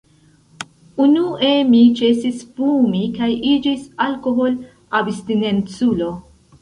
Unue mi ĉesis fumi kaj iĝis alkohol-abstinenculo.